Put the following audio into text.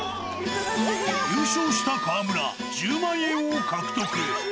優勝した川村、１０万円を獲得。